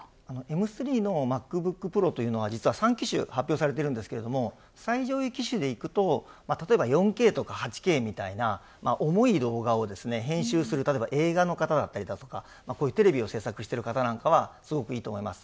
Ｍ３のＭａｃＢｏｏｋＰｒｏは実は３機種発表されているんですけれども最上位機種でいくと例えば４Ｋとか８Ｋみたいな重い動画を編集する例えば映画の方だったりとかテレビを制作している方なんかはすごくいいと思います。